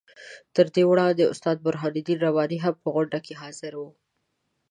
تر دې وړاندې استاد برهان الدین رباني هم په غونډه کې حاضر وو.